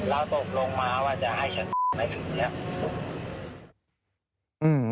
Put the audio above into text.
เราตกลงมาว่าจะให้ฉันไหมถึงเนี่ย